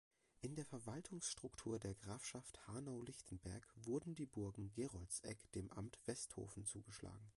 In der Verwaltungsstruktur der Grafschaft Hanau-Lichtenberg wurden die Burgen Geroldseck dem Amt Westhofen zugeschlagen.